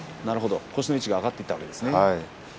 腰の位置が上がっていったわけですね。